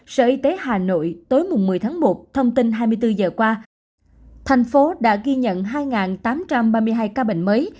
sở y tế hà nội tối mùng một mươi tháng một thông tin hai mươi bốn giờ qua thành phố đã ghi nhận hai tám trăm ba mươi hai ca bệnh mới